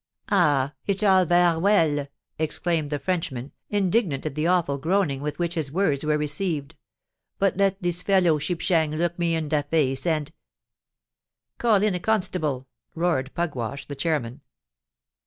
"Ah! it all vare well," exclaimed the Frenchman, indignant at the awful groaning with which his words were received; "but let dis fellow Shipshang look me in de face, and——" "Call in a constable!" roared Mr. Pugwash, the chairman.